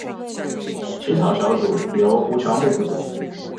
起草小组由胡乔木负责。